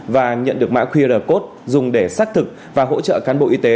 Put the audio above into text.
và nhận được mã qr code dùng để xác thực và hỗ trợ cán bộ y tế